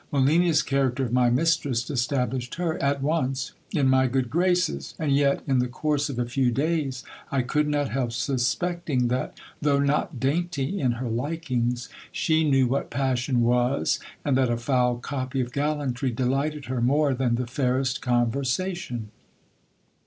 Molina's character of my mistress established her at once in my good graces. And yet, in the course of a few days, I could not help suspecting that, though not dainty in her likings, she knew what passion was, and that a foul copy of gallantry delighted her more than the fairest conversation.